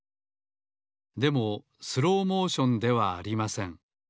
でもスローモーションではありません。